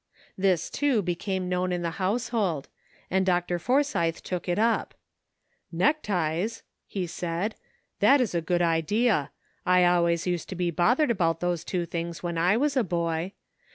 This, too, became known in the household, and Dr. Forsythe took it up. " Neckties? " he said; '' that is a good idea. I always used to be bothered about those two things when I was a boy.